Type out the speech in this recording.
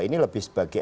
ini lebih sebagai